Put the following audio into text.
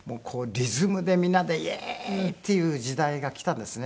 リズムでみんなで「イエーイ！」っていう時代がきたんですね。